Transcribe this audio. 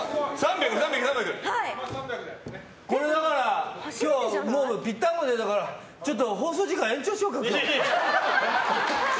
だから今日、ぴったんこ出たからちょっと放送時間延長しようか。